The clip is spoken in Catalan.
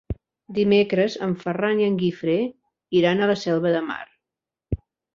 Dimecres en Ferran i en Guifré iran a la Selva de Mar.